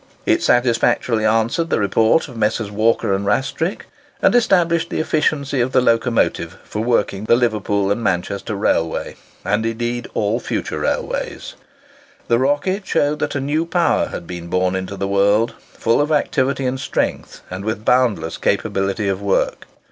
It satisfactorily answered the report of Messrs. Walker and Rastrick; and established the efficiency of the locomotive for working the Liverpool and Manchester Railway, and indeed all future railways. The "Rocket" showed that a new power had been born into the world, full of activity and strength, with boundless capability of work.